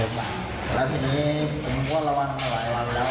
แล้วทีนี้ผมก็ระวังมาหลายวันแล้ว